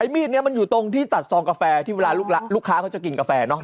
มีดนี้มันอยู่ตรงที่ตัดซองกาแฟที่เวลาลูกค้าเขาจะกินกาแฟเนาะ